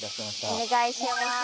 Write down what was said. お願いします。